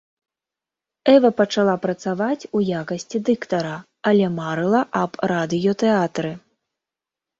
Эва пачала працаваць у якасці дыктара, але марыла аб радыётэатры.